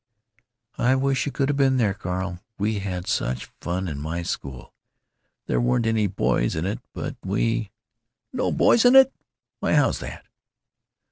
"I wish you could have been there, Carl. We had such fun in my school. There weren't any boys in it, but we——" "No boys in it? Why, how's that?"